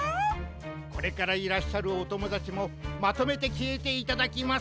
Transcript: これからいらっしゃるおともだちもまとめてきえていただきます。